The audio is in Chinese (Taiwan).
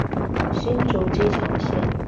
新竹機場線